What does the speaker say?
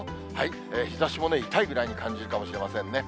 日ざしも痛いぐらいに感じるかもしれませんね。